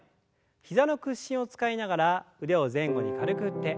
膝の屈伸を使いながら腕を前後に軽く振って。